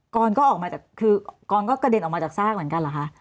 กรก็ออกมาจากคือกรก็กระเด็นออกมาจากซากเหมือนกันเหรอคะ